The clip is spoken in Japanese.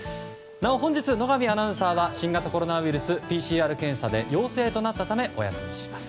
本日、野上アナウンサーは新型コロナウイルスＰＣＲ検査で陽性となったためお休みとします。